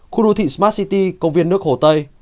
khu đô thị smart city công viên nước hồ tây